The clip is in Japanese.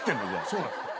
そうなんです。